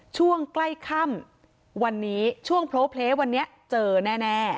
ช่วงใกล้ค่ำวันนี้ช่วงโพลเพลย์วันนี้เจอแน่